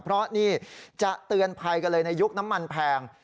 เพราะนี่จะเตือนภัยกันเลยในยุคน้ำมันแพง